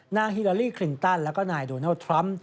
ฮิลาลีคลินตันแล้วก็นายโดนัลดทรัมป์